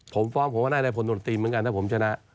ผมว่าน่าจะได้ผลโดนตีนเหมือนกันถ้าผมชนะ